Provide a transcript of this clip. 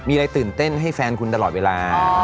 มีอะไรตื่นเต้นให้แฟนคุณตลอดเวลา